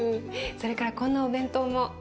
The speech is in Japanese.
それからこんなお弁当も。